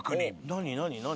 何何何？